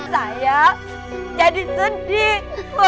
saya jadi sedih